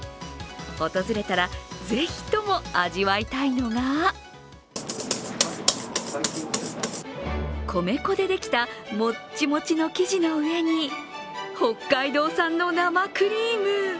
訪れたらぜひとも味わいたいのが米粉でできたもっちもちの生地の上に北海道産の生クリーム。